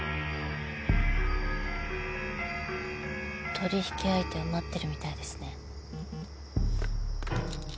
取り引き相手を待ってるみたいですね。